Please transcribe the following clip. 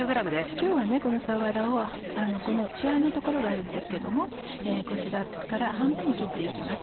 今日はこのさわらを血合いの所があるんですけどもこちらから半分に切って行きます。